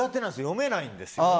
読めないんですよ。